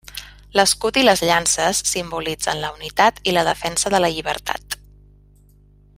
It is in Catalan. L'escut i les llances simbolitzen la unitat i la defensa de la llibertat.